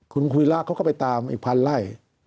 คุณคุยล่าเขาก็ไปตามอีกพันธุ์ไล่